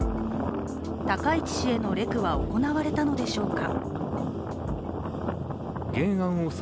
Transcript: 高市氏へのレクは行われたのでしょうか。